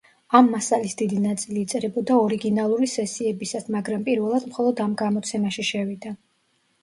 ამ მასალის დიდი ნაწილი იწერებოდა ორიგინალური სესიებისას, მაგრამ პირველად მხოლოდ ამ გამოცემაში შევიდა.